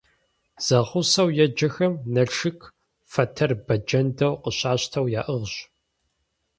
Зэгъусэу еджэхэм Налшык фэтэр бэджэндэу къыщащтауэ яӏыгъщ.